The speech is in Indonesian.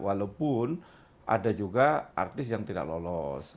walaupun ada juga artis yang tidak lolos